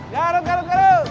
garut garut garut